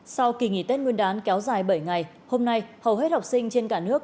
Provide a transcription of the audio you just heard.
sau kỳ nghỉ tết nguyên đán kéo dài bảy ngày hôm nay hầu hết học sinh trên cả nước